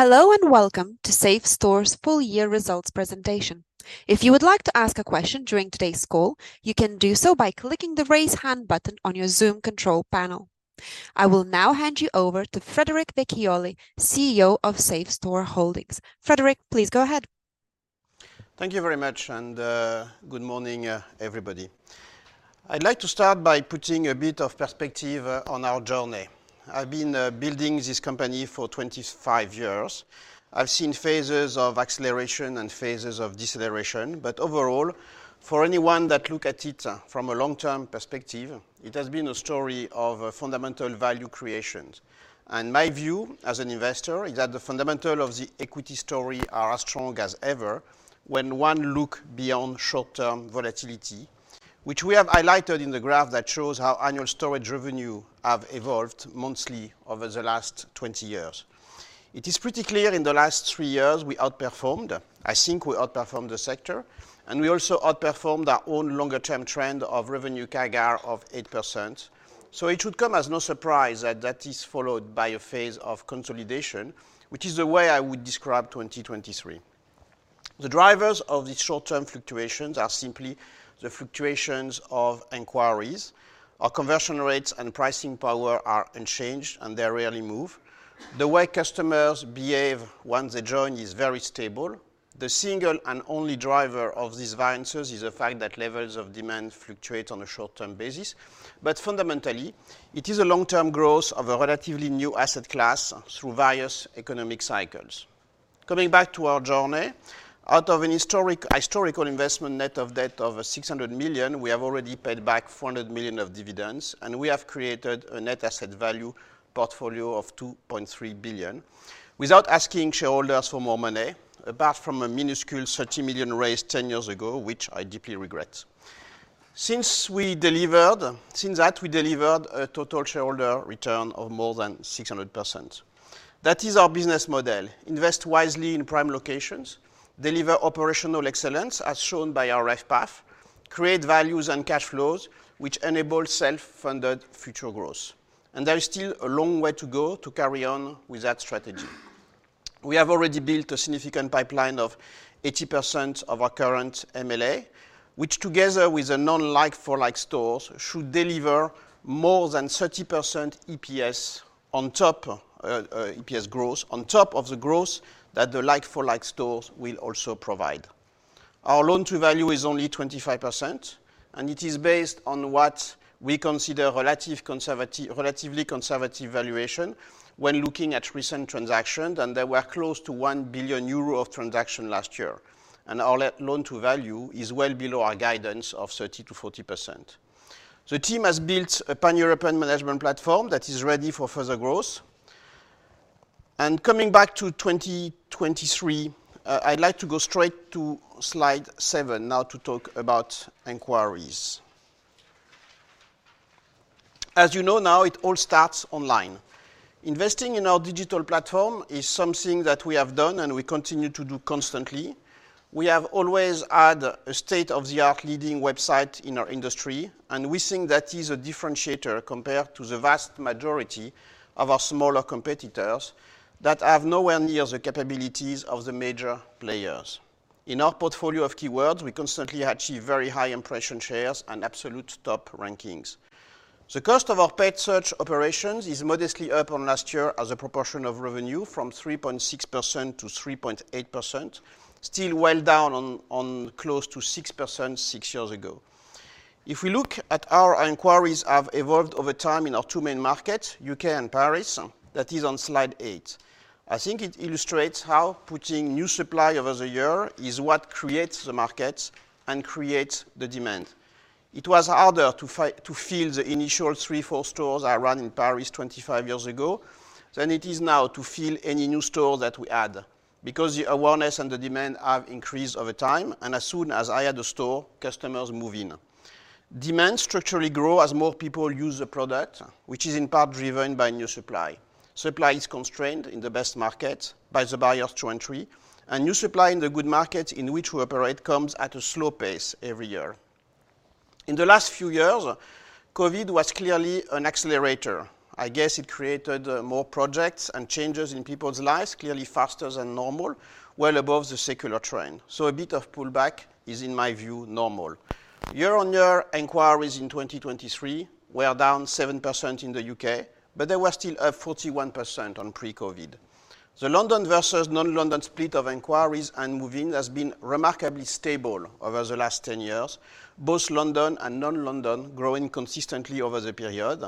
Hello, and welcome to Safestore's full year results presentation. If you would like to ask a question during today's call, you can do so by clicking the Raise Hand button on your Zoom control panel. I will now hand you over to Frederic Vecchioli, CEO of Safestore Holdings. Frederic, please go ahead. Thank you very much, and good morning, everybody. I'd like to start by putting a bit of perspective on our journey. I've been building this company for 25 years. I've seen phases of acceleration and phases of deceleration, but overall, for anyone that look at it from a long-term perspective, it has been a story of fundamental value creation. And my view, as an investor, is that the fundamental of the equity story are as strong as ever when one look beyond short-term volatility, which we have highlighted in the graph that shows how annual storage revenue have evolved monthly over the last 20 years. It is pretty clear in the last three years we outperformed. I think we outperformed the sector, and we also outperformed our own longer term trend of revenue CAGR of 8%. So it should come as no surprise that that is followed by a phase of consolidation, which is the way I would describe 2023. The drivers of the short-term fluctuations are simply the fluctuations of inquiries. Our conversion rates and pricing power are unchanged, and they rarely move. The way customers behave once they join is very stable. The single and only driver of these variances is the fact that levels of demand fluctuate on a short-term basis. But fundamentally, it is a long-term growth of a relatively new asset class through various economic cycles. Coming back to our journey, out of a historical investment net of debt of 600 million, we have already paid back 400 million of dividends, and we have created a net asset value portfolio of 2.3 billion without asking shareholders for more money, apart from a minuscule 30 million raised 10 years ago, which I deeply regret. Since that, we delivered a total shareholder return of more than 600%. That is our business model: invest wisely in prime locations, deliver operational excellence, as shown by our RevPAR, create values and cash flows, which enable self-funded future growth, and there is still a long way to go to carry on with that strategy. We have already built a significant pipeline of 80% of our current MLA, which, together with the non like-for-like stores, should deliver more than 30% EPS on top, EPS growth, on top of the growth that the like-for-like stores will also provide. Our loan-to-value is only 25%, and it is based on what we consider relatively conservative valuation when looking at recent transactions, and they were close to 1 billion euro of transaction last year, and our loan-to-value is well below our guidance of 30%-40%. The team has built a pan-European management platform that is ready for further growth. Coming back to 2023, I'd like to go straight to slide seven now to talk about inquiries. As you know now, it all starts online. Investing in our digital platform is something that we have done, and we continue to do constantly. We have always had a state-of-the-art leading website in our industry, and we think that is a differentiator compared to the vast majority of our smaller competitors that have nowhere near the capabilities of the major players. In our portfolio of keywords, we constantly achieve very high impression shares and absolute top rankings. The cost of our paid search operations is modestly up on last year as a proportion of revenue from 3.6%-3.8%, still well down on close to 6% six years ago. If we look at how our inquiries have evolved over time in our two main markets, U.K. and Paris, that is on slide eight. I think it illustrates how putting new supply over the year is what creates the market and creates the demand. It was harder to to fill the initial three, four stores I ran in Paris 25 years ago than it is now to fill any new store that we add because the awareness and the demand have increased over time, and as soon as I add a store, customers move in. Demand structurally grow as more people use the product, which is in part driven by new supply. Supply is constrained in the best market by the barriers to entry, and new supply in the good market in which we operate comes at a slow pace every year. In the last few years, COVID was clearly an accelerator. I guess it created more projects and changes in people's lives, clearly faster than normal, well above the secular trend, so a bit of pullback is, in my view, normal. Year-on-year inquiries in 2023 were down 7% in the U.K., but they were still up 41% on pre-COVID. The London versus non-London split of inquiries and move-in has been remarkably stable over the last 10 years. Both London and non-London growing consistently over the period.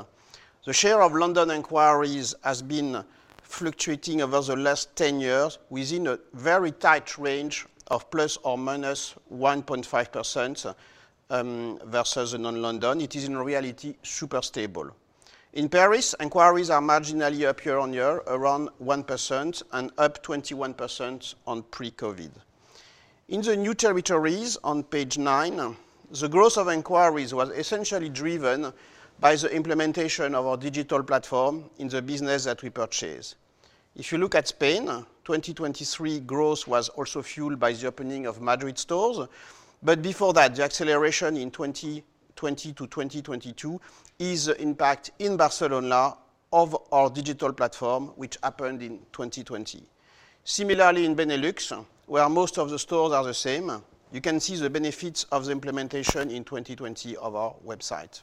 The share of London inquiries has been fluctuating over the last 10 years within a very tight range of plus or -1.5%, versus non-London. It is, in reality, super stable. In Paris, inquiries are marginally up year on year, around 1%, and up 21% on pre-COVID. In the new territories, on page nine, the growth of inquiries was essentially driven by the implementation of our digital platform in the business that we purchased. If you look at Spain, 2023 growth was also fueled by the opening of Madrid stores, but before that, the acceleration in 2020 to 2022 is the impact in Barcelona of our digital platform, which happened in 2020. Similarly, in Benelux, where most of the stores are the same, you can see the benefits of the implementation in 2020 of our website.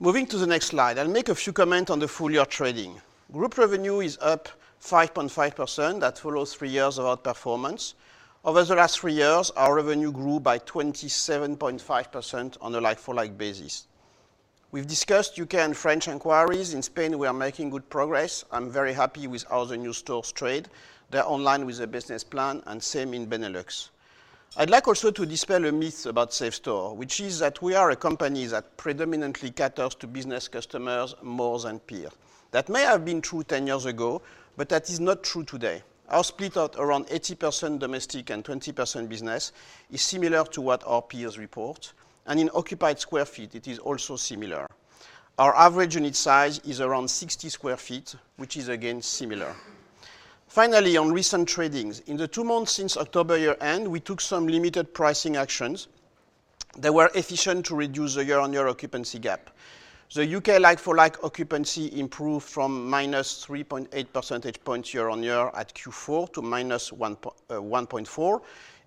Moving to the next slide, I'll make a few comments on the full year trading. Group revenue is up 5.5%. That follows three years of outperformance. Over the last three years, our revenue grew by 27.5% on a like-for-like basis. We've discussed U.K. and French inquiries. In Spain, we are making good progress. I'm very happy with how the new stores trade. They're online with a business plan, and same in Benelux. I'd like also to dispel a myth about Safestore, which is that we are a company that predominantly caters to business customers more than peers. That may have been true 10 years ago, but that is not true today. Our split at around 80% domestic and 20% business is similar to what our peers report, and in occupied square feet, it is also similar. Our average unit size is around 60 sq ft, which is again similar. Finally, on recent tradings, in the two months since October year-end, we took some limited pricing actions that were efficient to reduce the year-on-year occupancy gap. The UK like-for-like occupancy improved from -3.8 percentage points year-on-year at Q4 to -1.4.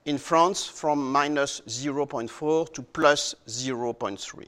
In France, from -0.4 to +0.3.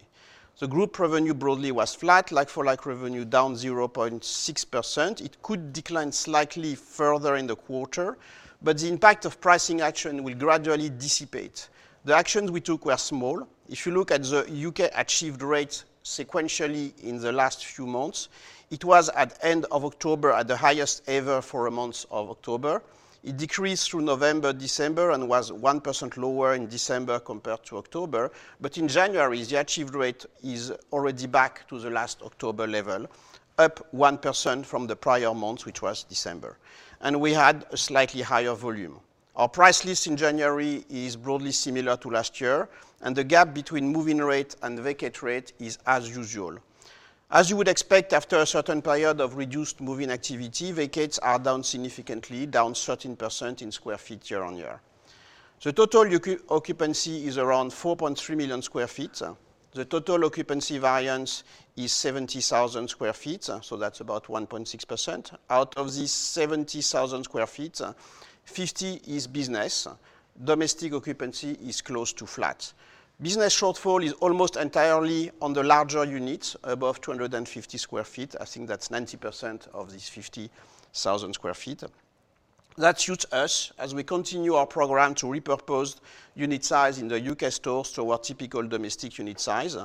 The group revenue broadly was flat, like-for-like revenue down 0.6%. It could decline slightly further in the quarter, but the impact of pricing action will gradually dissipate. The actions we took were small. If you look at the U.K. achieved rates sequentially in the last few months, it was at end of October, at the highest ever for a month of October. It decreased through November, December, and was 1% lower in December compared to October. But in January, the achieved rate is already back to the last October level, up 1% from the prior month, which was December, and we had a slightly higher volume. Our price list in January is broadly similar to last year, and the gap between move-in rate and vacate rate is as usual. As you would expect after a certain period of reduced move-in activity, vacates are down significantly, down 13% in sq ft year-on-year. The total occupancy is around 4.3 million sq ft. The total occupancy variance is 70,000 sq ft, so that's about 1.6%. Out of these 70,000 sq ft, 50 is business. Domestic occupancy is close to flat. Business shortfall is almost entirely on the larger units, above 250 sq ft. I think that's 90% of these 50,000 sq ft. That suits us as we continue our program to repurpose unit size in the U.K. stores to our typical domestic unit size.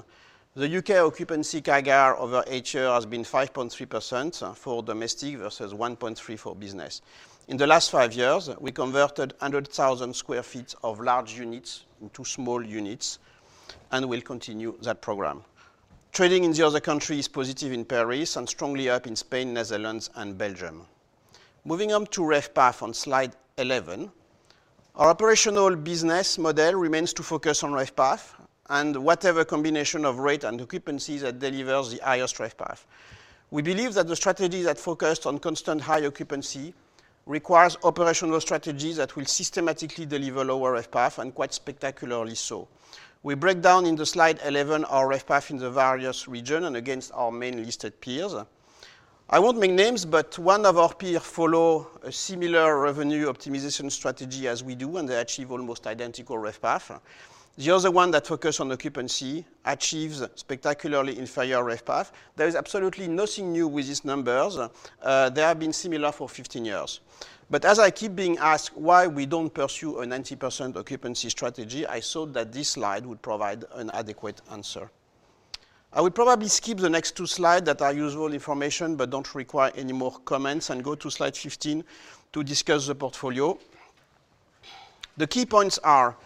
The U.K. occupancy CAGR over eight years has been 5.3% for domestic versus 1.3% for business. In the last five years, we converted 100,000 sq ft of large units into small units and will continue that program. Trading in the other countries is positive in Paris and strongly up in Spain, Netherlands and Belgium. Moving on to RevPAR on slide 11. Our operational business model remains to focus on RevPAR and whatever combination of rate and occupancy that delivers the highest RevPAR. We believe that the strategy that focused on constant high occupancy requires operational strategies that will systematically deliver lower RevPAR, and quite spectacularly so. We break down in slide 11, our RevPAR in the various regions and against our main listed peers. I won't make names, but one of our peer follow a similar revenue optimization strategy as we do, and they achieve almost identical RevPAR. The other one that focus on occupancy achieves spectacularly inferior RevPAR. There is absolutely nothing new with these numbers. They have been similar for 15 years. But as I keep being asked why we don't pursue a 90% occupancy strategy, I thought that this slide would provide an adequate answer. I would probably skip the next two slide that are usual information but don't require any more comments, and go to slide 15 to discuss the portfolio. The key points are: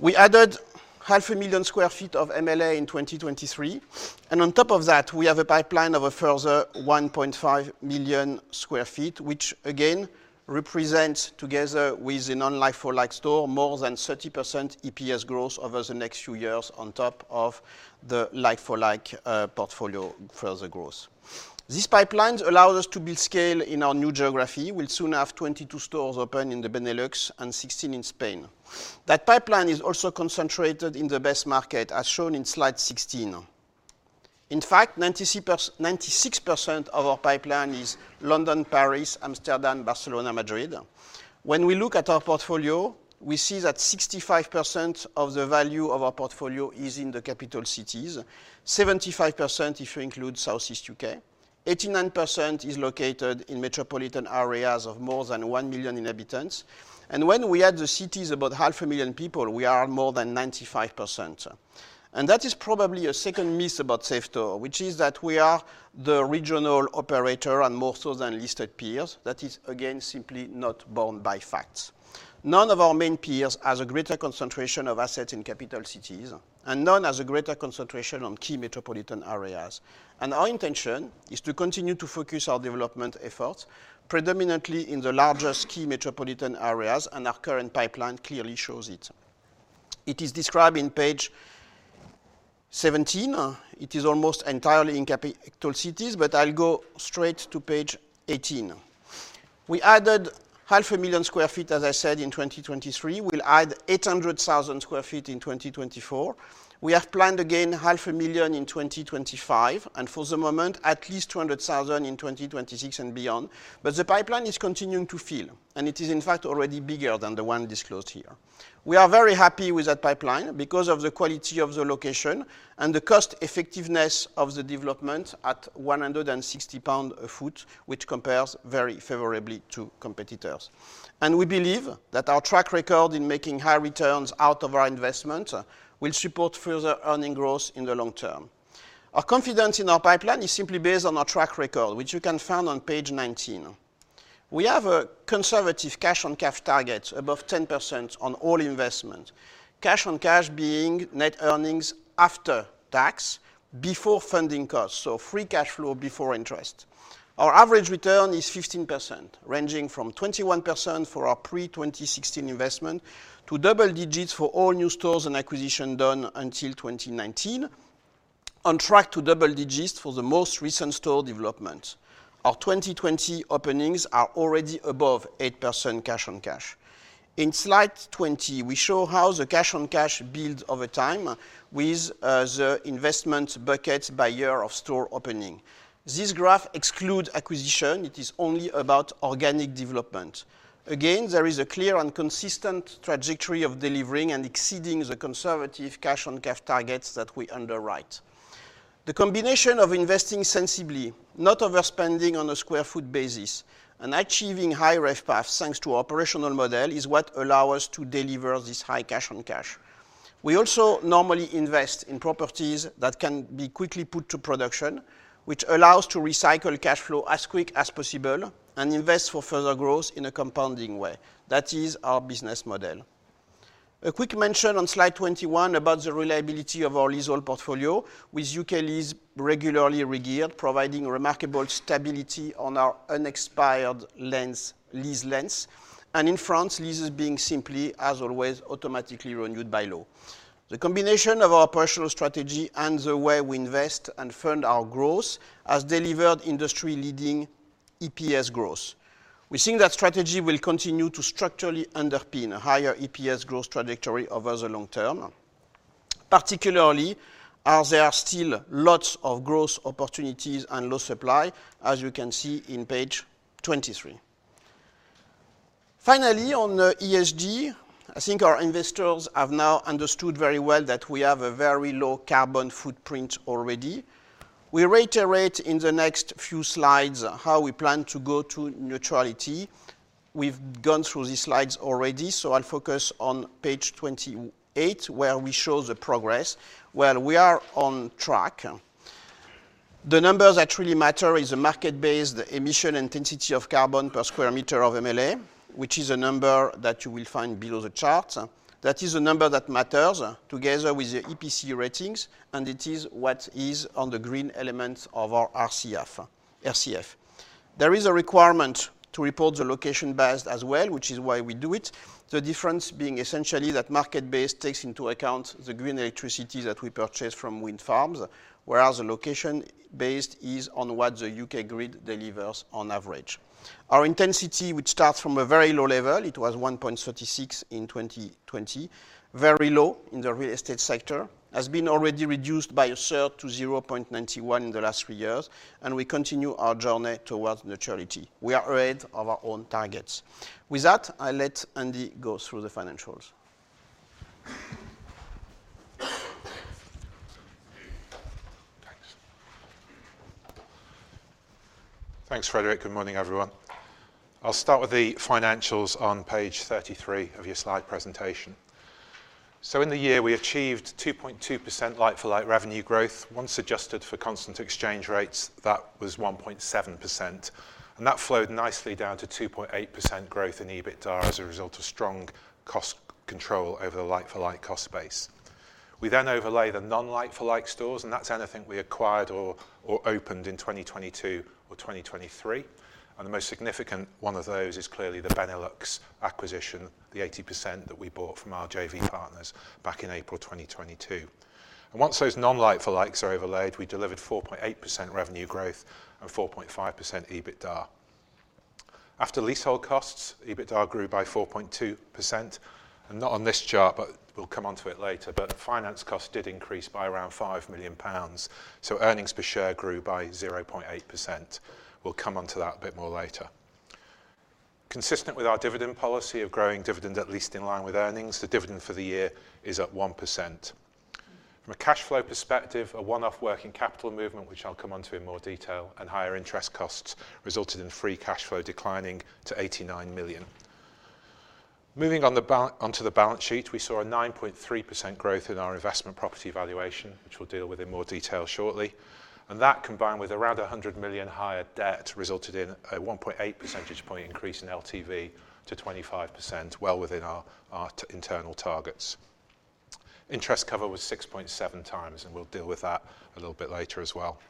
We added 500,000 sq ft of MLA in 2023, and on top of that, we have a pipeline of a further 1.5 million sq ft, which again represents, together with the non like-for-like store, more than 30% EPS growth over the next few years on top of the like-for-like, portfolio further growth. These pipelines allow us to build scale in our new geography. We'll soon have 22 stores open in the Benelux and 16 in Spain. That pipeline is also concentrated in the best market, as shown in slide 16. In fact, 96% of our pipeline is London, Paris, Amsterdam, Barcelona, Madrid. When we look at our portfolio, we see that 65% of the value of our portfolio is in the capital cities. 75%, if you include South East U.K. 89% is located in metropolitan areas of more than 1 million inhabitants. And when we add the cities, about 500,000 people, we are more than 95%. And that is probably a second myth about Safestore, which is that we are the regional operator and more so than listed peers. That is, again, simply not borne by facts. None of our main peers has a greater concentration of assets in capital cities, and none has a greater concentration on key metropolitan areas. And our intention is to continue to focus our development efforts predominantly in the largest key metropolitan areas, and our current pipeline clearly shows it. It is described in page 17, it is almost entirely in capital cities, but I'll go straight to page 18. We added 500,000 sq ft, as I said, in 2023. We'll add 800,000 sq ft in 2024. We have planned, again, 500,000 in 2025, and for the moment, at least 200,000 in 2026 and beyond. But the pipeline is continuing to fill, and it is, in fact, already bigger than the one disclosed here. We are very happy with that pipeline because of the quality of the location and the cost effectiveness of the development at 160 pounds a sqare foot, which compares very favorably to competitors. And we believe that our track record in making high returns out of our investment, will support further earnings growth in the long term. Our confidence in our pipeline is simply based on our track record, which you can find on page 19. We have a conservative cash-on-cash target above 10% on all investment. Cash-on-cash being net earnings after tax, before funding costs, so free cash flow before interest. Our average return is 15%, ranging from 21% for our pre-2016 investment, to double digits for all new stores and acquisition done until 2019. On track to double digits for the most recent store development. Our 2020 openings are already above 8% cash-on-cash. In slide 20, we show how the cash-on-cash builds over time with the investment bucket by year of store opening. This graph excludes acquisition. It is only about organic development. Again, there is a clear and consistent trajectory of delivering and exceeding the conservative cash-on-cash targets that we underwrite. The combination of investing sensibly, not overspending on a square foot basis, and achieving high RevPAS, thanks to operational model, is what allow us to deliver this high cash-on-cash. We also normally invest in properties that can be quickly put to production, which allow us to recycle cash flow as quick as possible and invest for further growth in a compounding way. That is our business model. A quick mention on slide 21 about the reliability of our leasehold portfolio, with U.K. lease regularly regeared, providing remarkable stability on our unexpired lengths, lease lengths, and in France, leases being simply, as always, automatically renewed by law. The combination of our operational strategy and the way we invest and fund our growth has delivered industry-leading EPS growth. We think that strategy will continue to structurally underpin a higher EPS growth trajectory over the long term, particularly as there are still lots of growth opportunities and low supply, as you can see in page 23. Finally, on ESG, I think our investors have now understood very well that we have a very low carbon footprint already. We reiterate in the next few slides how we plan to go to neutrality. We've gone through these slides already, so I'll focus on page 28, where we show the progress. Well, we are on track. The numbers that really matter is the market-based emission intensity of carbon per square meter of MLA, which is a number that you will find below the chart. That is a number that matters, together with the EPC ratings, and it is what is on the green element of our RCF. There is a requirement to report the location-based as well, which is why we do it. The difference being essentially that market-based takes into account the green electricity that we purchase from wind farms, whereas the location-based is on what the U.K. grid delivers on average. Our intensity, which starts from a very low level, it was 1.36 in 2020, very low in the real estate sector, has been already reduced by a third to 0.91 in the last three years, and we continue our journey towards neutrality. We are ahead of our own targets. With that, I'll let Andy go through the financials. Thanks. Thanks, Frederic. Good morning, everyone. I'll start with the financials on page 33 of your slide presentation. So in the year, we achieved 2.2% like-for-like revenue growth. Once adjusted for constant exchange rates, that was 1.7%, and that flowed nicely down to 2.8% growth in EBITDA as a result of strong cost control over the like-for-like cost base. We then overlay the non like-for-like stores, and that's anything we acquired or opened in 2022 or 2023, and the most significant one of those is clearly the Benelux acquisition, the 80% that we bought from our JV partners back in April 2022. And once those non like-for-likes are overlaid, we delivered 4.8% revenue growth and 4.5% EBITDA. After leasehold costs, EBITDA grew by 4.2%, and not on this chart, but we'll come onto it later, but finance costs did increase by around 5 million pounds, so earnings per share grew by 0.8%. We'll come onto that a bit more later. Consistent with our dividend policy of growing dividend, at least in line with earnings, the dividend for the year is at 1%. From a cash flow perspective, a one-off working capital movement, which I'll come onto in more detail, and higher interest costs resulted in free cash flow declining to 89 million. Moving onto the balance sheet, we saw a 9.3% growth in our investment property valuation, which we'll deal with in more detail shortly. That, combined with around 100 million higher debt, resulted in a 1.8 percentage point increase in LTV to 25%, well within our internal targets. Interest cover was 6.7x, and we'll deal with that a little bit later as well.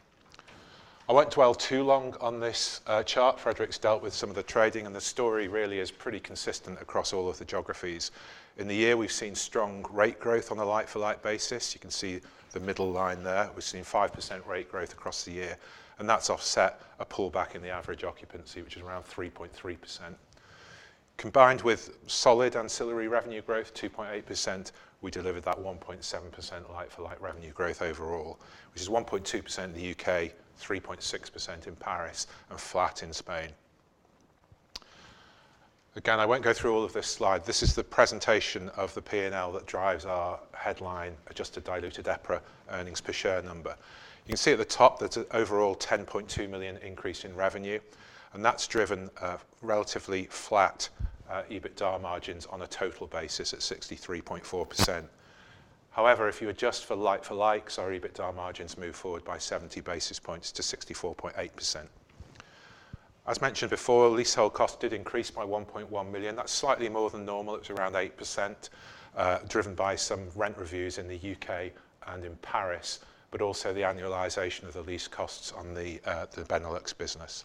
I won't dwell too long on this chart. Frederic's dealt with some of the trading, and the story really is pretty consistent across all of the geographies. In the year, we've seen strong rate growth on a like-for-like basis. You can see the middle line there. We've seen 5% rate growth across the year, and that's offset a pullback in the average occupancy, which is around 3.3%. Combined with solid ancillary revenue growth, 2.8%, we delivered that 1.7% like-for-like revenue growth overall, which is 1.2% in the U.K., 3.6% in Paris, and flat in Spain. Again, I won't go through all of this slide. This is the presentation of the P&L that drives our headline adjusted diluted EPRA earnings per share number. You can see at the top that an overall 10.2 million increase in revenue, and that's driven, relatively flat, EBITDA margins on a total basis at 63.4%. However, if you adjust for like-for-likes, our EBITDA margins move forward by 70 basis points to 64.8%. As mentioned before, leasehold costs did increase by 1.1 million. That's slightly more than normal. It's around 8%, driven by some rent reviews in the U.K. and in Paris, but also the annualization of the lease costs on the Benelux business.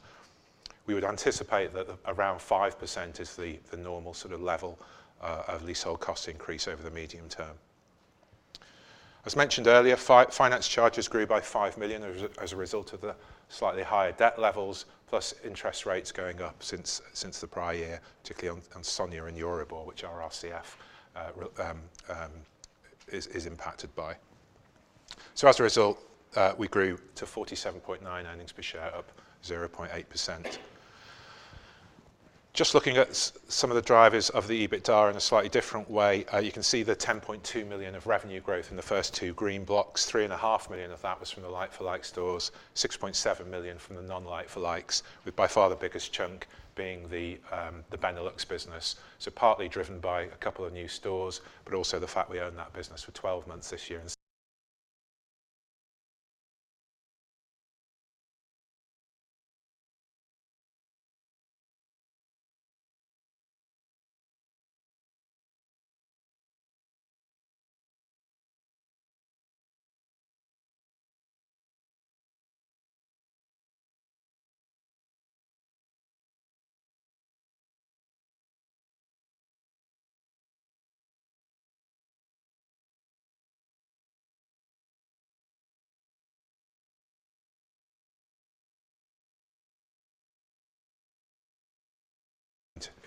We would anticipate that around 5% is the normal sort of level of leasehold cost increase over the medium term. As mentioned earlier, finance charges grew by 5 million as a result of the slightly higher debt levels, plus interest rates going up since the prior year, particularly on SONIA and EURIBOR, which RCF is impacted by. So as a result, we grew to 47.9 earnings per share, up 0.8%. Just looking at some of the drivers of the EBITDA in a slightly different way, you can see the 10.2 million of revenue growth in the first two green blocks. 3.5 million of that was from the like-for-like stores, 6.7 million from the non-like-for-likes, with by far the biggest chunk being the Benelux business. So partly driven by a couple of new stores, but also the fact we own that business for 12 months this year,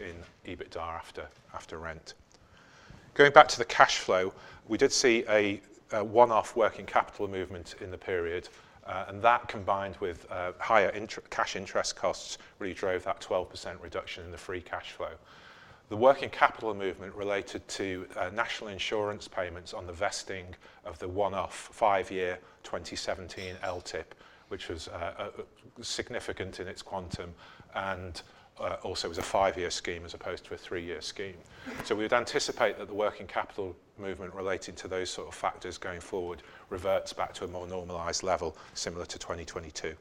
and in EBITDA after rent. Going back to the cash flow, we did see a one-off working capital movement in the period, and that, combined with, higher cash interest costs, really drove that 12% reduction in the free cash flow. The working capital movement related to national insurance payments on the vesting of the one-off, five-year, 2017 LTIP, which was significant in its quantum and also was a five-year scheme as opposed to a three-year scheme. So we'd anticipate that the working capital movement related to those sort of factors going forward reverts back to a more normalized level, similar to 2022.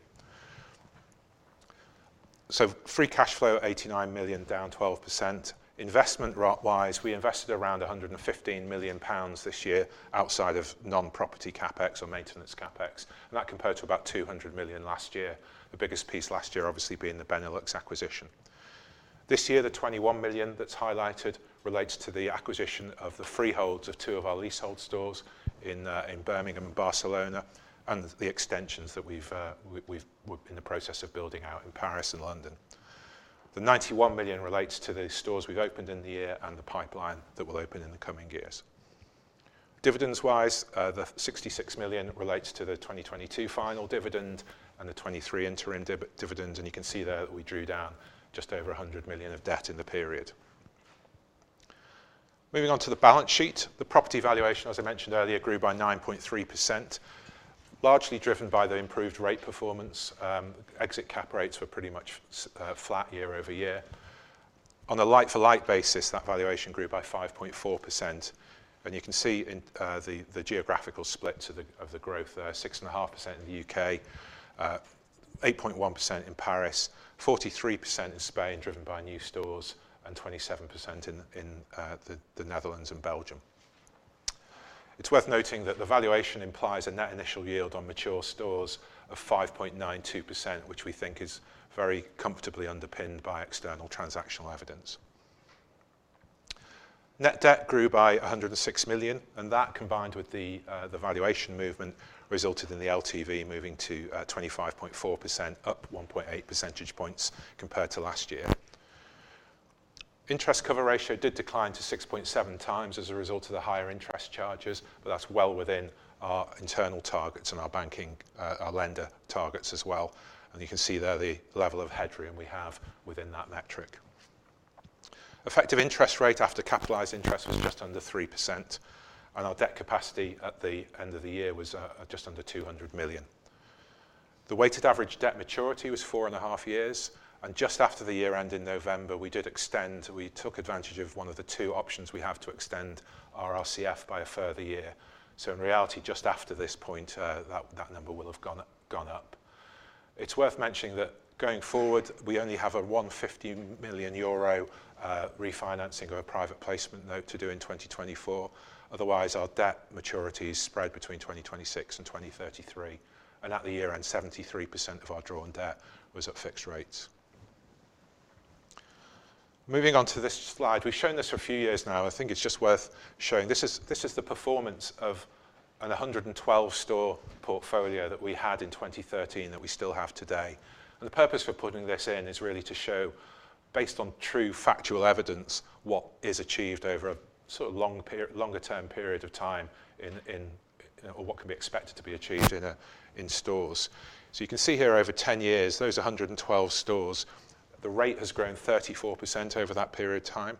So free cash flow, 89 million, down 12%. Investment wise, we invested around 115 million pounds this year outside of non-property CapEx or maintenance CapEx, and that compared to about 200 million last year. The biggest piece last year, obviously, being the Benelux acquisition. This year, the 21 million that's highlighted relates to the acquisition of the freeholds of two of our leasehold stores in Birmingham and Barcelona, and the extensions that we're in the process of building out in Paris and London. The 91 million relates to the stores we've opened in the year and the pipeline that will open in the coming years. Dividends wise, the 66 million relates to the 2022 final dividend and the 2023 interim dividend, and you can see there that we drew down just over 100 million of debt in the period. Moving on to the balance sheet. The property valuation, as I mentioned earlier, grew by 9.3%, largely driven by the improved rate performance. Exit cap rates were pretty much flat year-over-year. On a like-for-like basis, that valuation grew by 5.4%, and you can see in the geographical split of the growth there, 6.5% in the U.K., 8.1% in Paris, 43% in Spain, driven by new stores, and 27% in the Netherlands and Belgium. It's worth noting that the valuation implies a net initial yield on mature stores of 5.92%, which we think is very comfortably underpinned by external transactional evidence. Net debt grew by 106 million, and that, combined with the valuation movement, resulted in the LTV moving to 25.4%, up 1.8 percentage points compared to last year. Interest cover ratio did decline to 6.7x as a result of the higher interest charges, but that's well within our internal targets and our banking, our lender targets as well, and you can see there the level of headroom we have within that metric. Effective interest rate after capitalized interest was just under 3%, and our debt capacity at the end of the year was, just under 200 million. The weighted average debt maturity was 4.5 years, and just after the year end in November, we did extend. We took advantage of one of the two options we have to extend our RCF by a further year. So in reality, just after this point, that, that number will have gone up, gone up. It's worth mentioning that going forward, we only have a 150 million euro refinancing of a private placement note to do in 2024. Otherwise, our debt maturity is spread between 2026 and 2033, and at the year-end, 73% of our drawn debt was at fixed rates. Moving on to this slide. We've shown this for a few years now, I think it's just worth showing. This is, this is the performance of a 112-store portfolio that we had in 2013, that we still have today. And the purpose for putting this in is really to show, based on true factual evidence, what is achieved over a sort of long period, longer-term period of time, or what can be expected to be achieved in stores. So you can see here over 10 years, those 112 stores, the rate has grown 34% over that period of time.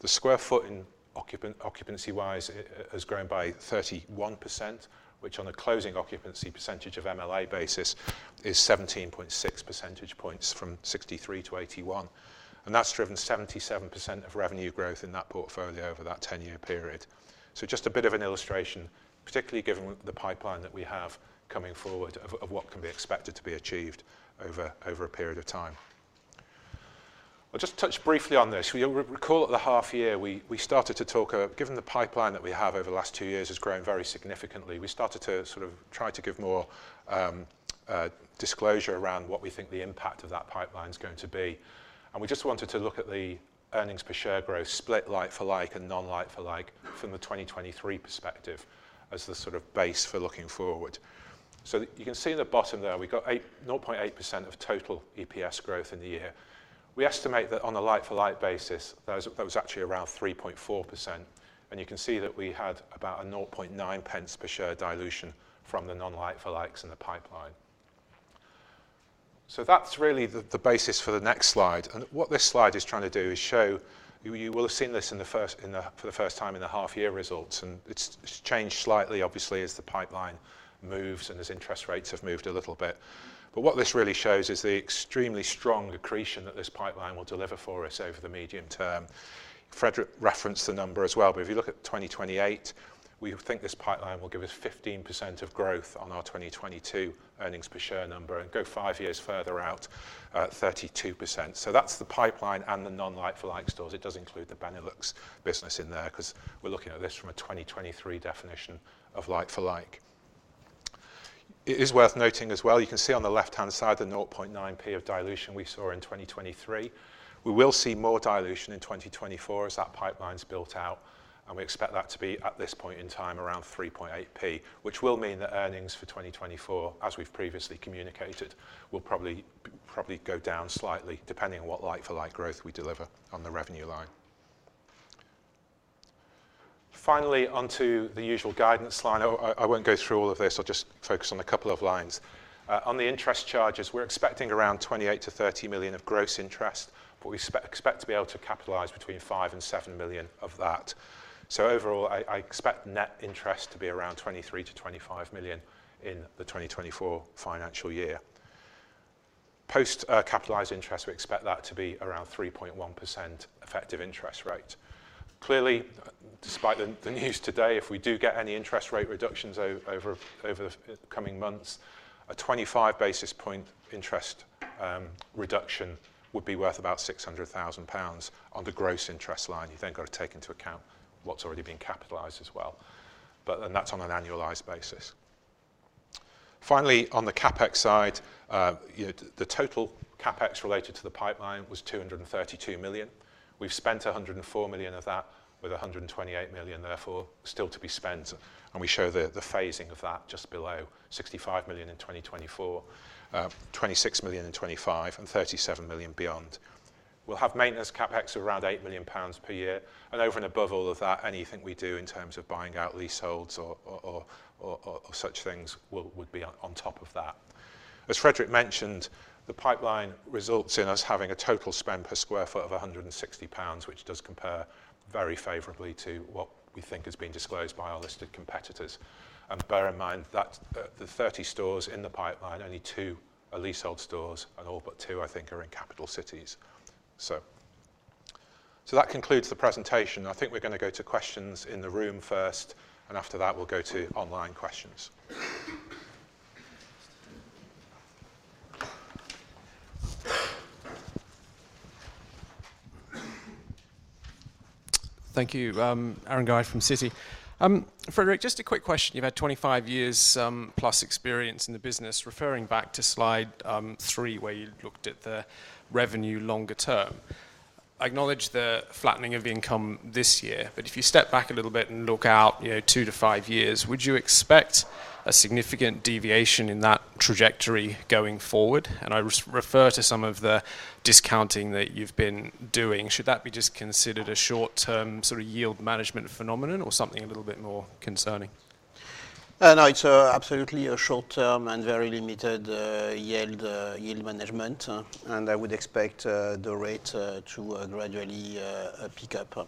The square foot occupancy-wise has grown by 31%, which on a closing occupancy percentage of MLA basis, is 17.6 percentage points, from 63-81. And that's driven 77% of revenue growth in that portfolio over that 10-year period. So just a bit of an illustration, particularly given the pipeline that we have coming forward, of, of what can be expected to be achieved over, over a period of time. I'll just touch briefly on this. You'll recall at the half year we started to talk, given the pipeline that we have over the last 2 years has grown very significantly, we started to sort of try to give more disclosure around what we think the impact of that pipeline is going to be. And we just wanted to look at the earnings per share growth, split like-for-like and non-like-for-like from the 2023 perspective, as the sort of base for looking forward. So you can see in the bottom there, we got 0.8% of total EPS growth in the year. We estimate that on a like-for-like basis, that was actually around 3.4%, and you can see that we had about a 0.009 per share dilution from the non-like-for-likes in the pipeline. So that's really the basis for the next slide, and what this slide is trying to do is show you will have seen this for the first time in the half year results, and it's changed slightly, obviously, as the pipeline moves and as interest rates have moved a little bit. But what this really shows is the extremely strong accretion that this pipeline will deliver for us over the medium term. Frederic referenced the number as well, but if you look at 2028, we think this pipeline will give us 15% growth on our 2022 earnings per share number, and five years further out, 32%. So that's the pipeline and the non-like-for-like stores. It does include the Benelux business in there, 'cause we're looking at this from a 2023 definition of like-for-like. It is worth noting as well, you can see on the left-hand side, the 0.9p of dilution we saw in 2023. We will see more dilution in 2024 as that pipeline's built out, and we expect that to be, at this point in time, around 3.8p, which will mean that earnings for 2024, as we've previously communicated, will probably, probably go down slightly, depending on what like-for-like growth we deliver on the revenue line. Finally, on to the usual guidance line. I won't go through all of this, I'll just focus on a couple of lines. On the interest charges, we're expecting around 28 million-30 million of gross interest, but we expect to be able to capitalize between 5 million-7 million of that. Overall, I expect net interest to be around 23 million-25 million in the 2024 financial year. Post capitalized interest, we expect that to be around 3.1% effective interest rate. Clearly, despite the news today, if we do get any interest rate reductions over the coming months, a 25 basis point interest reduction would be worth about 600,000 pounds on the gross interest line. You've then got to take into account what's already been capitalized as well. But, and that's on an annualized basis. Finally, on the CapEx side, you know, the total CapEx related to the pipeline was 232 million. We've spent 104 million of that, with 128 million therefore still to be spent, and we show the phasing of that just below, 65 million in 2024, 26 million in 2025, and 37 million beyond. We'll have maintenance CapEx of around 8 million pounds per year, and over and above all of that, anything we do in terms of buying out leaseholds or such things would be on top of that. As Frederic mentioned, the pipeline results in us having a total spend per square foot of 160 pounds, which does compare very favorably to what we think has been disclosed by our listed competitors. And bear in mind that, the 30 stores in the pipeline, only two are leasehold stores, and all but two, I think, are in capital cities. That concludes the presentation. I think we're going to go to questions in the room first, and after that, we'll go to online questions. Thank you. Aaron Guy from Citi. Frederic, just a quick question. You've had 25 years, plus experience in the business. Referring back to slide three, where you looked at the revenue longer term, I acknowledge the flattening of the income this year, but if you step back a little bit and look out, you know, two to five years, would you expect a significant deviation in that trajectory going forward? And I refer to some of the discounting that you've been doing. Should that be just considered a short-term sort of yield management phenomenon or something a little bit more concerning? No, it's absolutely a short-term and very limited yield management, and I would expect the rate to gradually pick up.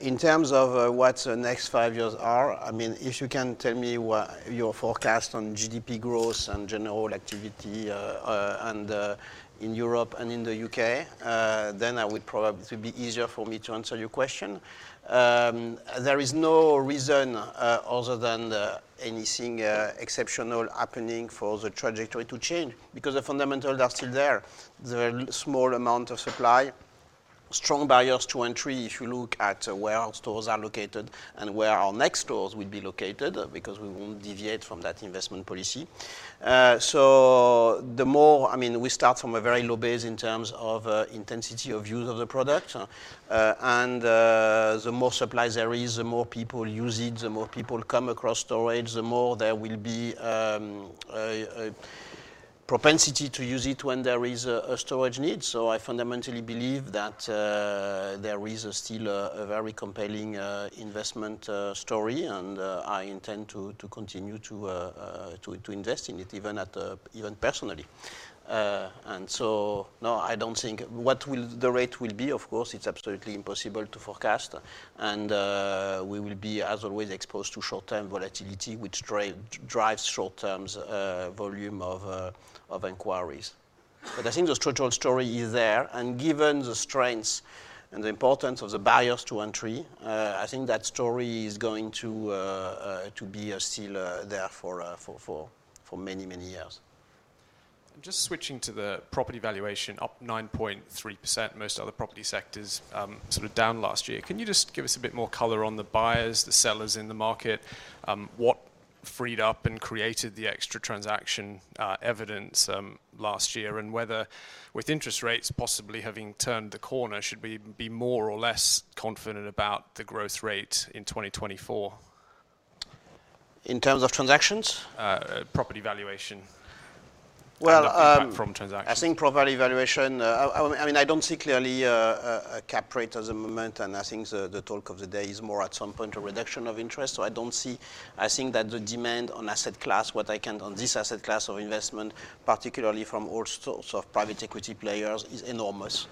In terms of what the next five years are, I mean, if you can tell me what your forecast on GDP growth and general activity and in Europe and in the U.K., then I would probably... It would be easier for me to answer your question. There is no reason other than anything exceptional happening for the trajectory to change, because the fundamentals are still there. The small amount of supply, strong barriers to entry, if you look at where our stores are located and where our next stores will be located, because we won't deviate from that investment policy. So-... the more, I mean, we start from a very low base in terms of, intensity of use of the product. And, the more suppliers there is, the more people use it, the more people come across storage, the more there will be, a propensity to use it when there is a storage need. So I fundamentally believe that, there is still a very compelling, investment story, and, I intend to continue to invest in it, even at, even personally. And so, no, I don't think what will the rate will be, of course, it's absolutely impossible to forecast. And, we will be, as always, exposed to short-term volatility, which drives short-term volume of inquiries. But I think the structural story is there, and given the strengths and the importance of the barriers to entry, I think that story is going to be still there for many, many years. Just switching to the property valuation, up 9.3%, most other property sectors down last year. Can you just give us a bit more color on the buyers, the sellers in the market? What freed up and created the extra transaction evidence last year, and whether with interest rates possibly having turned the corner, should we be more or less confident about the growth rate in 2024? In terms of transactions? Property valuation- Well, um- The impact from transactions. I think property valuation, I mean, I don't see clearly a cap rate at the moment, and I think the talk of the day is more at some point a reduction of interest. So I don't see. I think that the demand on this asset class of investment, particularly from all sorts of private equity players, is enormous.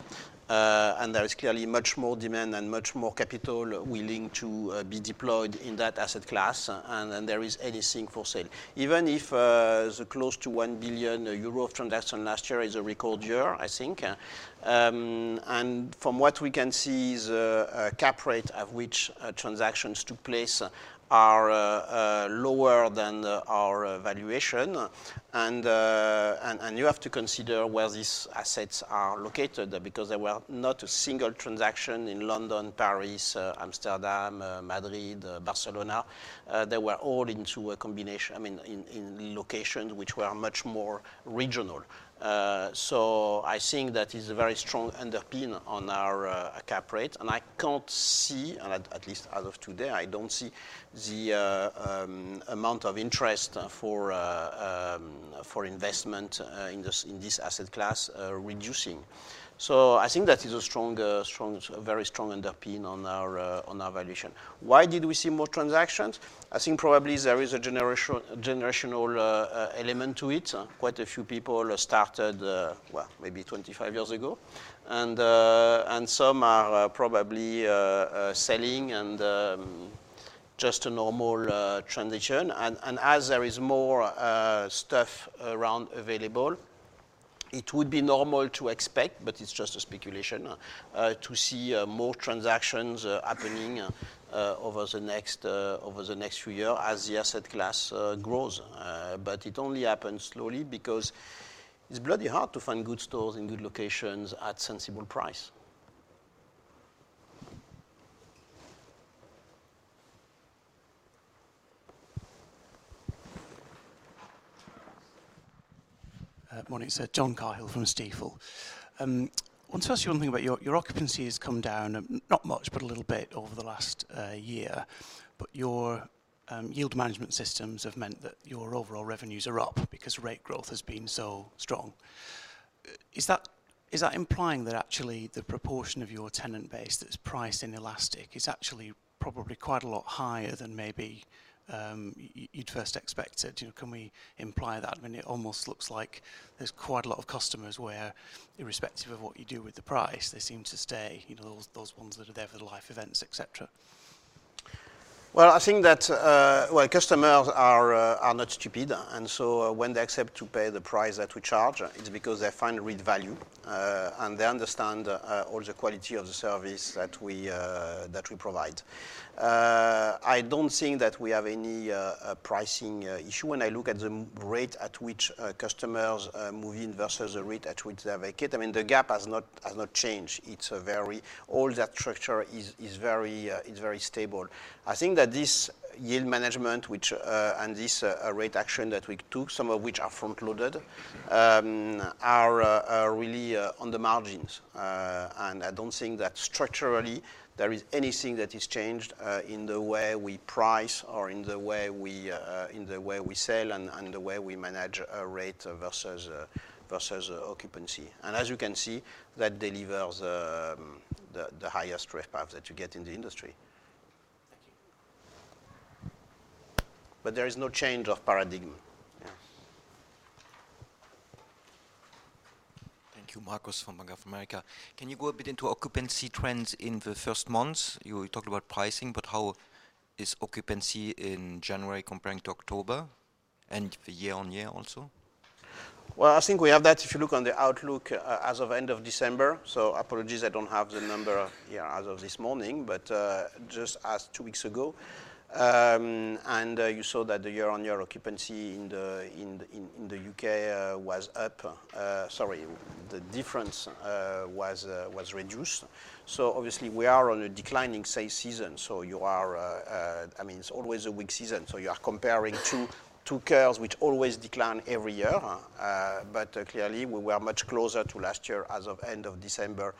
And there is clearly much more demand and much more capital willing to be deployed in that asset class, and than there is anything for sale. Even if the close to 1 billion euro of transaction last year is a record year, I think, and from what we can see is a cap rate at which transactions took place are lower than our valuation. And you have to consider where these assets are located, because there were not a single transaction in London, Paris, Amsterdam, Madrid, Barcelona. They were all in a combination, I mean, in locations which were much more regional. So I think that is a very strong underpin on our cap rate, and I can't see, at least as of today, I don't see the amount of interest for investment in this asset class reducing. So I think that is a strong, very strong underpin on our valuation. Why did we see more transactions? I think probably there is a generational element to it. Quite a few people started, well, maybe 25 years ago. And some are probably selling, and just a normal transition. And as there is more stuff around available, it would be normal to expect, but it's just a speculation to see more transactions happening over the next, over the next few years as the asset class grows. But it only happens slowly because it's bloody hard to find good stores in good locations at sensible prices. Morning, sir. John Cahill from Stifel. I want to ask you one thing about your... your occupancy has come down, not much, but a little bit over the last year. But your yield management systems have meant that your overall revenues are up because rate growth has been so strong. Is that, is that implying that actually the proportion of your tenant base that's priced in elastic is actually probably quite a lot higher than maybe you'd first expected? You know, can we imply that? I mean, it almost looks like there's quite a lot of customers where, irrespective of what you do with the price, they seem to stay, you know, those, those ones that are there for the life events, et cetera. Well, I think that, well, customers are not stupid, and so when they accept to pay the price that we charge, it's because they find real value, and they understand all the quality of the service that we, that we provide. I don't think that we have any, a pricing issue. When I look at the rate at which customers move in versus the rate at which they vacate, I mean, the gap has not, has not changed. It's a very... all that structure is, is very, is very stable. I think that this yield management, which, and this, rate action that we took, some of which are front-loaded, are really on the margins. And I don't think that structurally there is anything that is changed, in the way we price or in the way we, in the way we sell and, and the way we manage our rate versus, versus occupancy. And as you can see, that delivers, the highest RevPAR that you get in the industry. Thank you. But there is no change of paradigm. Yeah. Thank you. Marcus from Bank of America. Can you go a bit into occupancy trends in the first months? You talked about pricing, but how is occupancy in January comparing to October, and year-over-year also? Well, I think we have that if you look on the outlook, as of end of December. So apologies, I don't have the number, yeah, as of this morning, but, just as two weeks ago, and, you saw that the year-on-year occupancy in the U.K. was up... sorry, the difference was reduced. So obviously, we are on a declining sales season, so you are, I mean, it's always a weak season, so you are comparing two, two curves, which always decline every year. But, clearly, we were much closer to last year as of end of December,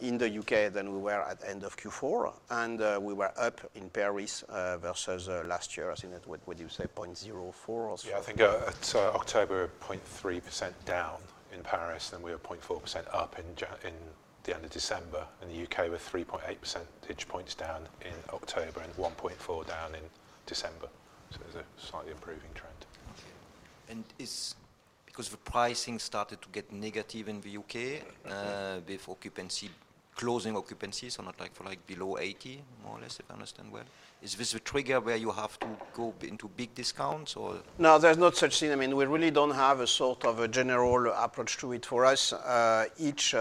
in the U.K., than we were at the end of Q4. And, we were up in Paris, versus last year. I think that, what you say, 0.04 or so? Yeah, I think, at October, 0.3% down in Paris, then we were 0.4% up in the end of December. In the U.K., we were 3.8 percentage points down in October and 1.4 down in December. So it's a slightly improving trend. Okay. because the pricing started to get negative in the U.K.- Yeah. With occupancy, closing occupancy, so not like-for-like below 80, more or less, if I understand well. Is this a trigger where you have to go into big discounts or? No, there's no such thing. I mean, we really don't have a sort of a general approach to it. For us, each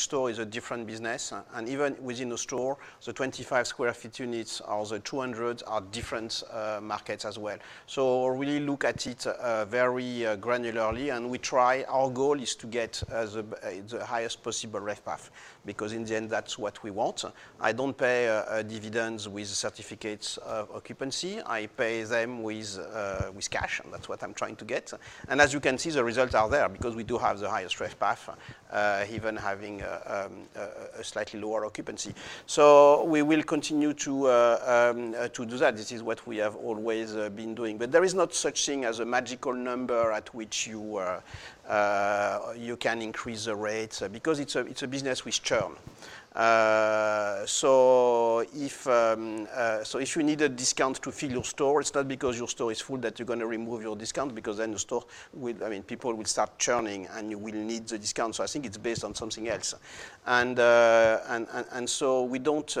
store is a different business, and even within a store, the 25 sq ft units or the 200 are different markets as well. So we look at it very granularly, and we try. Our goal is to get the highest possible RevPAR, because in the end, that's what we want. I don't pay dividends with certificates of occupancy. I pay them with cash, and that's what I'm trying to get. And as you can see, the results are there because we do have the highest RevPAR, even having a slightly lower occupancy. So we will continue to do that. This is what we have always been doing. But there is not such thing as a magical number at which you can increase the rates because it's a business with churn. So if you need a discount to fill your store, it's not because your store is full that you're going to remove your discount, because then the store will—I mean, people will start churning, and you will need the discount. So I think it's based on something else. So we don't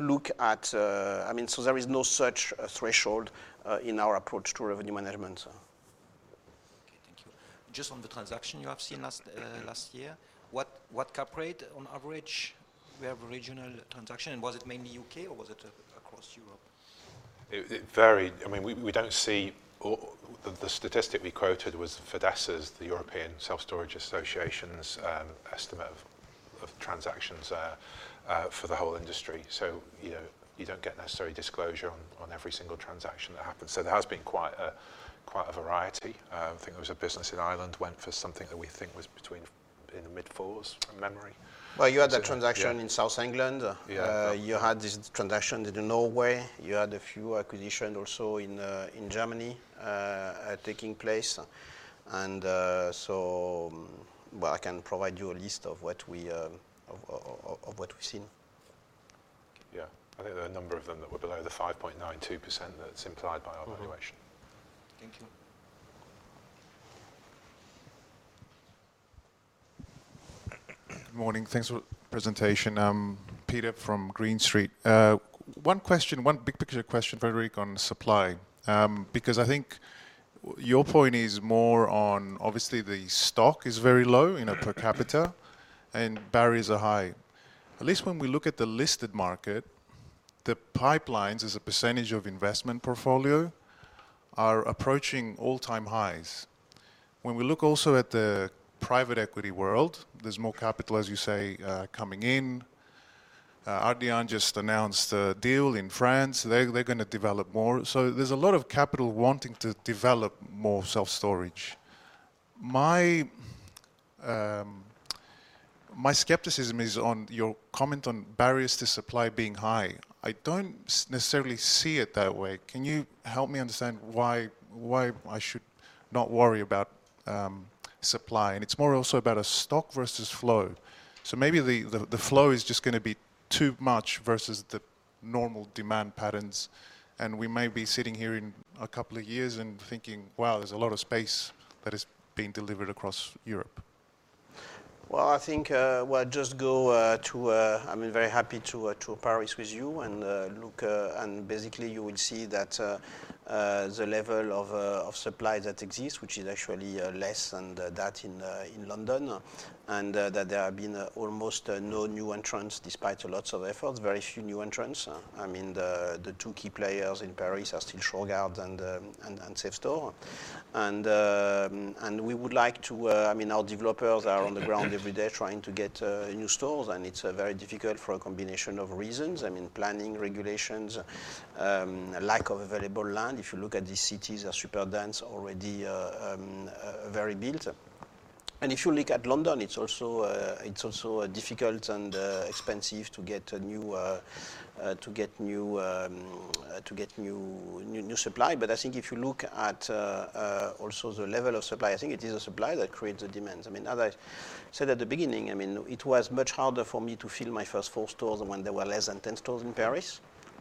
look at... I mean, so there is no such threshold in our approach to revenue management. Okay, thank you. Just on the transaction you have seen last year, what cap rate on average you have regional transaction? And was it mainly U.K., or was it across Europe? It varied. I mean, we don't see all-- The statistic we quoted was FEDESSA, the European Self Storage Association's estimate of transactions for the whole industry. So, you know, you don't get necessarily disclosure on every single transaction that happens. So there has been quite a variety. I think there was a business in Ireland went for something that we think was in the mid-fours, from memory. Well, you had that transaction- Yeah... in South England. Yeah. You had this transaction in Norway. You had a few acquisitions also in Germany taking place. So... Well, I can provide you a list of what we've seen. Yeah. I think there are a number of them that were below the 5.92% that's implied by our valuation. Mm-hmm. Thank you. Good morning. Thanks for the presentation. I'm Peter from Green Street. One question, one big picture question, Frederic, on supply. Because I think your point is more on, obviously, the stock is very low in a per capita, and barriers are high. At least when we look at the listed market, the pipelines as a percentage of investment portfolio are approaching all-time highs. When we look also at the private equity world, there's more capital, as you say, coming in. Ardian just announced a deal in France. They're going to develop more. So there's a lot of capital wanting to develop more self-storage. My skepticism is on your comment on barriers to supply being high. I don't necessarily see it that way. Can you help me understand why I should not worry about supply? It's more also about a stock versus flow. So maybe the flow is just going to be too much versus the normal demand patterns, and we may be sitting here in a couple of years and thinking, "Wow, there's a lot of space that is being delivered across Europe. Well, I think, well, just go to... I mean, very happy to Paris with you and look, and basically, you will see that the level of supply that exists, which is actually less than that in London, and that there have been almost no new entrants, despite lots of efforts, very few new entrants. I mean, the two key players in Paris are still Shurgard and Safestore. And we would like to, I mean, our developers are on the ground every day trying to get new stores, and it's very difficult for a combination of reasons. I mean, planning, regulations, lack of available land. If you look at the cities are super dense, already, very built. If you look at London, it's also difficult and expensive to get new supply. But I think if you look at also the level of supply, I think it is the supply that creates the demands. I mean, as I said at the beginning, I mean, it was much harder for me to fill my first four stores when there were less than 10 stores in Paris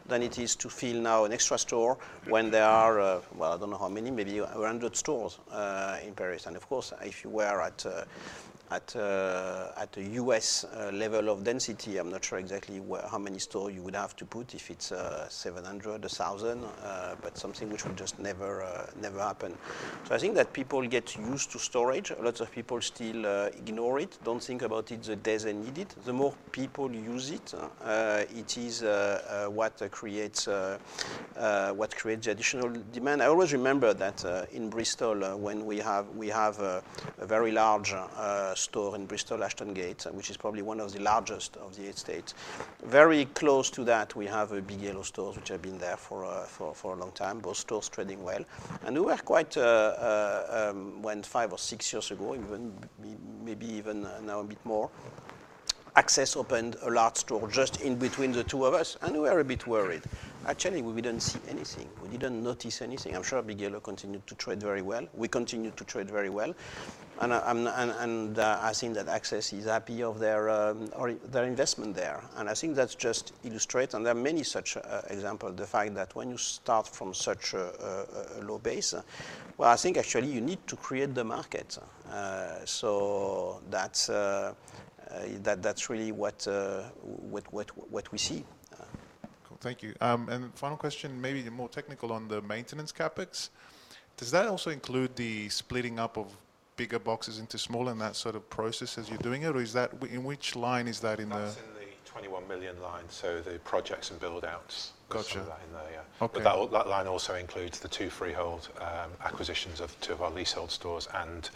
than it is to fill now an extra store when there are, well, I don't know how many, maybe 100 stores in Paris. And of course, if you were at a U.S. level of density, I'm not sure exactly where, how many store you would have to put, if it's 700, 1,000, but something which would just never happen. So I think that people get used to storage. A lot of people still ignore it, don't think about it the day they need it. The more people use it, it is what creates the additional demand. I always remember that in Bristol, when we have a very large store in Bristol, Ashton Gate, which is probably one of the largest of the eight states. Very close to that, we have a Big Yellow store, which has been there for a long time. Those stores trading well. And we were quite when five or six years ago, even maybe even now a bit more. Access opened a large store just in between the two of us, and we were a bit worried. Actually, we didn't see anything. We didn't notice anything. I'm sure Big Yellow continued to trade very well. We continued to trade very well, and I think that Access is happy of their or their investment there. And I think that just illustrates, and there are many such example, the fact that when you start from such a low base, well, I think actually you need to create the market. So that's really what we see. Cool. Thank you. And final question, maybe more technical on the maintenance CapEx. Does that also include the splitting up of bigger boxes into smaller and that sort of process as you're doing it? Or is that- in which line is that in the- That's in the 21 million line, so the projects and build-outs- Gotcha sort of in there, yeah. Okay. But that, that line also includes the two freehold acquisitions of two of our leasehold stores and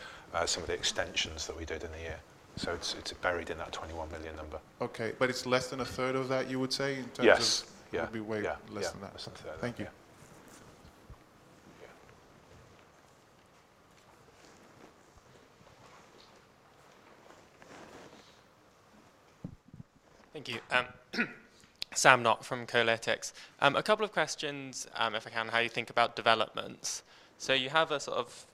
some of the extensions that we did in the year. So it's, it's buried in that 21 million number. Okay, but it's less than a third of that, you would say, in terms of- Yes. Yeah. It would be way- Yeah Less than that. Less than a third. Thank you. Yeah. Thank you. Sam Knock from Colletics. A couple of questions, if I can, how you think about developments. So you have a sort of,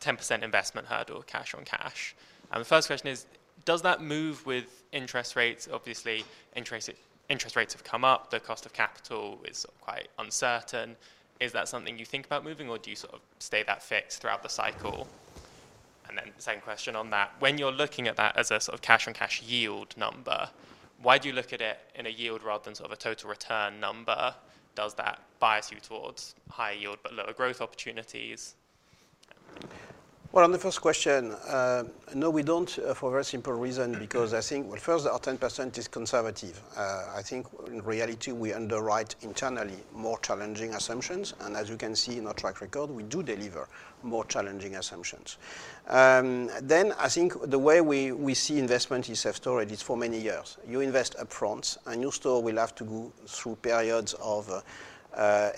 10% investment hurdle, cash on cash. And the first question is, does that move with interest rates? Obviously, interest rates have come up, the cost of capital is quite uncertain. Is that something you think about moving, or do you sort of stay that fixed throughout the cycle? And then second question on that, when you're looking at that as a sort of cash-on-cash yield number, why do you look at it in a yield rather than sort of a total return number? Does that bias you towards higher yield but lower growth opportunities? Well, on the first question, no, we don't, for a very simple reason, because I think... Well, first, our 10% is conservative. I think in reality, we underwrite internally more challenging assumptions, and as you can see in our track record, we do deliver more challenging assumptions. Then I think the way we see investment is as storage, it's for many years. You invest upfront, a new store will have to go through periods of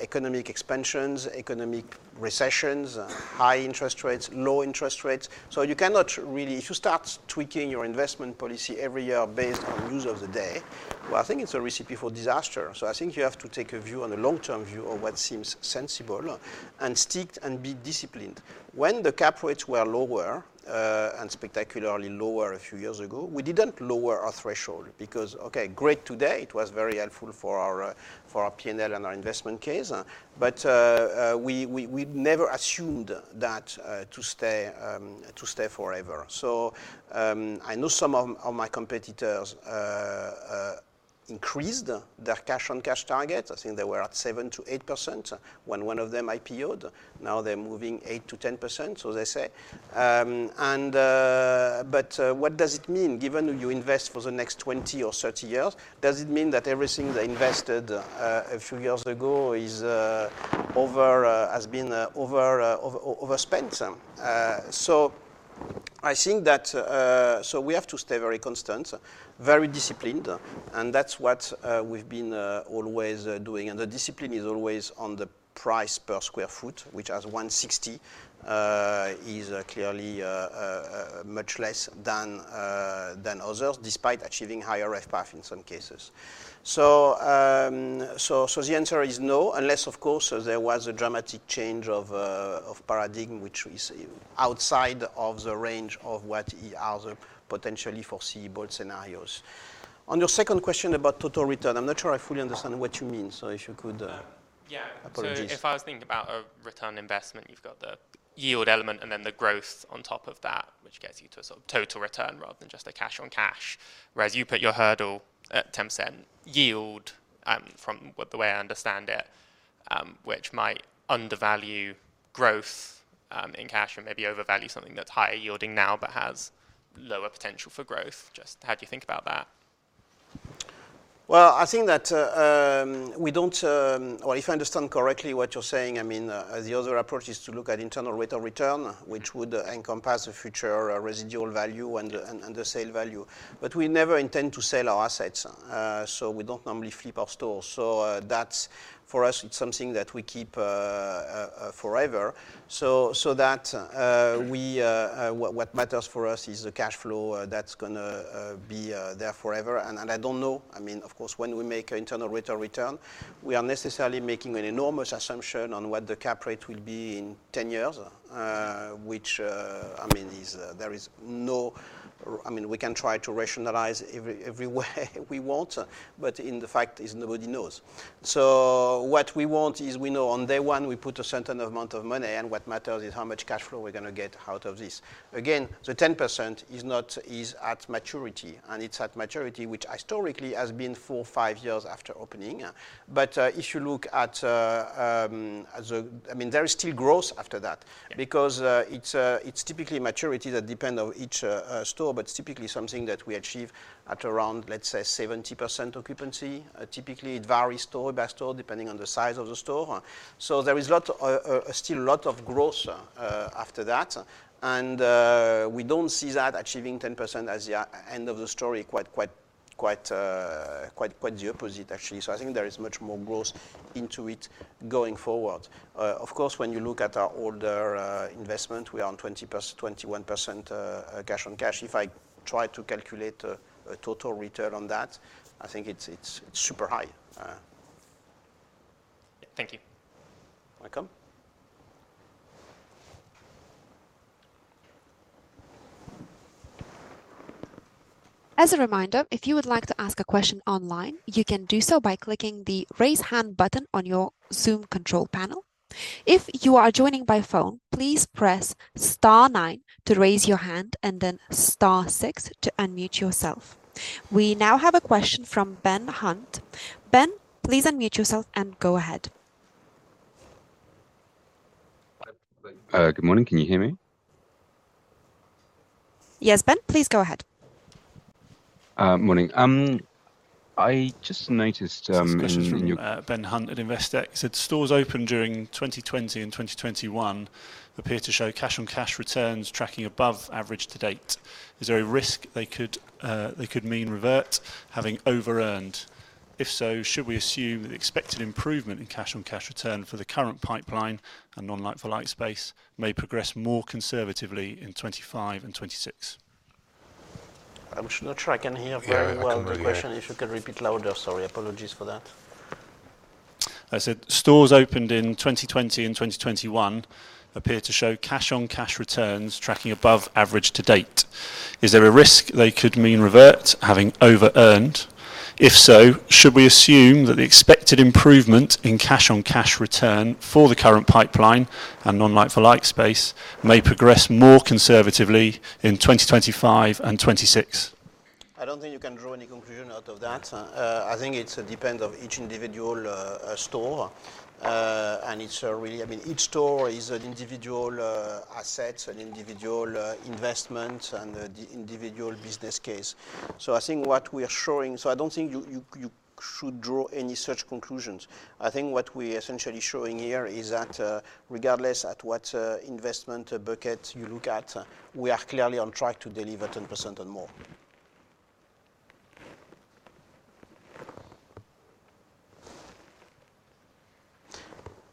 economic expansions, economic recessions, high interest rates, low interest rates. So you cannot really- if you start tweaking your investment policy every year based on news of the day, well, I think it's a recipe for disaster. So I think you have to take a view on a long-term view of what seems sensible and stick and be disciplined. When the cap rates were lower, and spectacularly lower a few years ago, we didn't lower our threshold because, okay, great, today it was very helpful for our for our P&L and our investment case, but we never assumed that to stay forever. So I know some of my competitors increased their cash-on-cash target. I think they were at 7%-8% when one of them IPO'd. Now they're moving 8%-10%, so they say. But what does it mean, given you invest for the next 20 or 30 years? Does it mean that everything they invested a few years ago is over, has been overspent? So I think that... So we have to stay very constant, very disciplined, and that's what we've been always doing. And the discipline is always on the price per square foot, which at 160 is clearly much less than others, despite achieving higher RevPAR in some cases. So the answer is no, unless, of course, there was a dramatic change of paradigm, which is outside of the range of what are the potentially foreseeable scenarios. On your second question about total return, I'm not sure I fully understand what you mean, so if you could, Yeah. Apologies. So if I was thinking about a return on investment, you've got the yield element and then the growth on top of that, which gets you to a sort of total return rather than just a cash-on-cash. Whereas you put your hurdle at 10% yield, from the way I understand it, which might undervalue growth, in cash and maybe overvalue something that's higher yielding now but has lower potential for growth. Just how do you think about that? Well, I think that we don't... Well, if I understand correctly what you're saying, I mean, the other approach is to look at internal rate of return, which would encompass the future residual value and the sale value. But we never intend to sell our assets, so we don't normally flip our stores. So, that's, for us, it's something that we keep forever. So, what matters for us is the cash flow that's gonna be there forever. And, I don't know, I mean, of course, when we make an internal rate of return, we are necessarily making an enormous assumption on what the cap rate will be in 10 years, which, I mean, is, there is no... I mean, we can try to rationalize every way we want, but the fact is nobody knows. So what we want is we know on day one, we put a certain amount of money, and what matters is how much cash flow we're going to get out of this. Again, the 10% is at maturity, and it's at maturity, which historically has been 4-5 years after opening. But if you look at the... I mean, there is still growth after that- Yeah... because it's typically maturity that depend on each store, but it's typically something that we achieve at around, let's say, 70% occupancy. Typically, it varies store by store, depending on the size of the store. So there is still a lot of growth after that, and we don't see that achieving 10% as the end of the story. Quite the opposite, actually. So I think there is much more growth into it going forward. Of course, when you look at our older investment, we are on 20+, 21% cash on cash. If I try to calculate a total return on that, I think it's super high.... Thank you. Welcome. As a reminder, if you would like to ask a question online, you can do so by clicking the Raise Hand button on your Zoom control panel. If you are joining by phone, please press star nine to raise your hand and then star six to unmute yourself. We now have a question from Ben Hunt. Ben, please unmute yourself and go ahead. Good morning. Can you hear me? Yes, Ben, please go ahead. Morning. I just noticed, in your-... Ben Hunt at Investec. So the stores open during 2020 and 2021 appear to show cash-on-cash returns tracking above average to date. Is there a risk they could, they could mean revert, having overearned? If so, should we assume the expected improvement in cash-on-cash return for the current pipeline and non-like-for-like space may progress more conservatively in 2025 and 2026? I'm not sure I can hear very well. Yeah, I can hear. The question. If you can repeat louder. Sorry, apologies for that. I said, stores opened in 2020 and 2021 appear to show cash-on-cash returns tracking above average to date. Is there a risk they could mean revert, having overearned? If so, should we assume that the expected improvement in cash-on-cash return for the current pipeline and non-like-for-like space may progress more conservatively in 2025 and 2026? I don't think you can draw any conclusion out of that. I think it depends on each individual store. And it's really... I mean, each store is an individual asset, an individual investment, and an individual business case. So I think what we are showing. So I don't think you should draw any such conclusions. I think what we are essentially showing here is that, regardless at what investment bucket you look at, we are clearly on track to deliver 10% and more.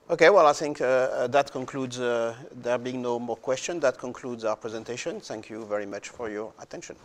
Okay, well, I think that concludes... There being no more question, that concludes our presentation. Thank you very much for your attention.